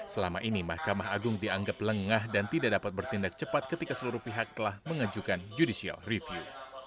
selama ini mahkamah agung dianggap lengah dan tidak dapat bertindak cepat ketika seluruh pihak telah mengajukan judicial review